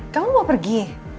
kamu mau pergi